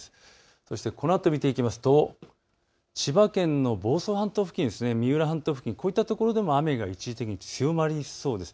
そしてこのあと見ていくと千葉県の房総半島付近、三浦半島付近、こういった所でも雨が一時的に強まりそうです。